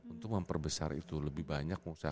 untuk memperbesar itu lebih banyak